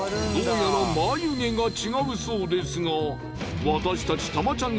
どうやら眉毛が違うそうですが私たちタマちゃん